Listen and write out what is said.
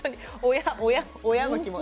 親親の気持ち。